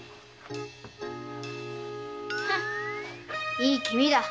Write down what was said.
いい気味だ。